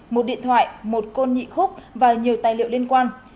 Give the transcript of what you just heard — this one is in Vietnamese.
một điện thoại một côn nhị khúc và nhiều tài liệu liên quan